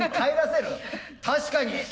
確かに。